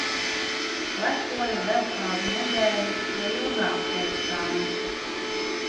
Klepoja vēl kādu nedēļu vai ilgāk pēc tām.